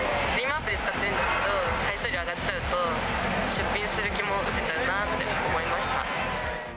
アプリ使ってるんですけど、配送料上がっちゃうと、出品する気もうせちゃうなって思いました。